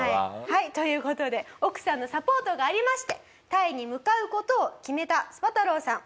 はいという事で奥さんのサポートがありましてタイに向かう事を決めたスパ太郎さん。